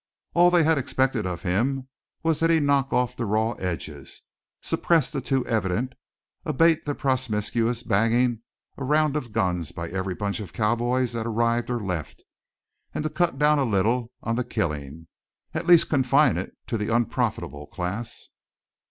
All they had expected of him was that he knock off the raw edges, suppress the too evident, abate the promiscuous banging around of guns by every bunch of cowboys that arrived or left, and to cut down a little on the killing, at least confine it to the unprofitable class.